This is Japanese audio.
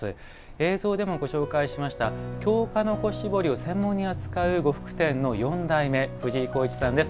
映像でもご紹介しました京鹿の子絞りを専門に扱う呉服店の四代目藤井浩一さんです。